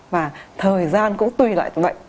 và thời gian cũng tùy lại từng loại